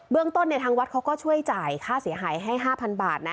เรื่องต้นทางวัดเขาก็ช่วยจ่ายค่าเสียหายให้๕๐๐บาทนะ